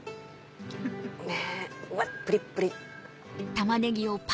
ねぇうわプリップリ。